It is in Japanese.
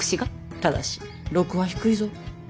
ただし禄は低いぞ。